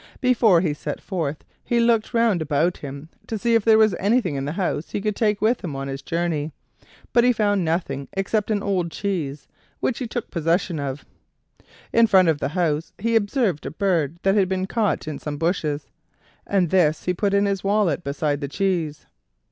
Before he set forth he looked round about him, to see if there was anything in the house he could take with him on his journey; but he found nothing except an old cheese, which he took possession of. In front of the house he observed a bird that had been caught in some bushes, and this he put into his wallet beside the cheese.